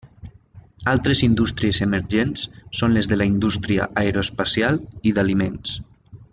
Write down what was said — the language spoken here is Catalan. Altres indústries emergents són les de la indústria aeroespacial i d'aliments.